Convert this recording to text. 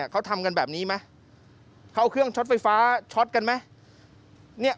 เขาทำกันแบบนี้ไหมเขาเครื่องช็อตไฟฟ้าช็อตกันไหม